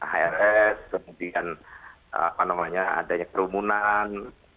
hrs kemudian apa namanya adanya kerumunan